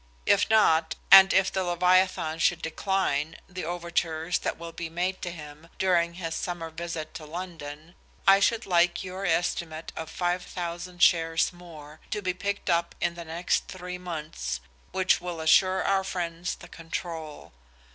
If not, and if the Leviathan should decline the overtures that will be made to him during his summer visit to London, I should like your estimate of five thousand shares more, to be picked up in the next three months, which will assure our friends the control.